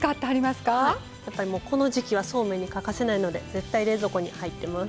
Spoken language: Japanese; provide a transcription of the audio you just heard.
この時期はそうめんに欠かせないので絶対冷蔵庫に入ってます。